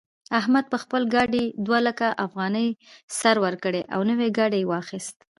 احمد په خپل ګاډي دوه لکه افغانۍ سر ورکړې او نوی ګاډی يې واخيست.